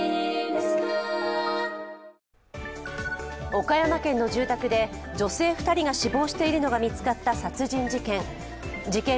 岡山県の住宅で女性２人が死亡しているのが見つかった殺人事件。